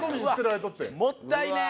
もったいねえ。